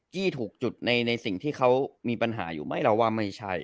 ี้ถูกจุดในสิ่งที่เขามีปัญหาอยู่ไหมเราว่าไม่ใช่